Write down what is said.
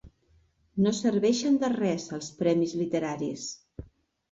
No serveixen de res, els premis literaris.